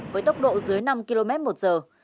với tốc độ dưới năm km một giờ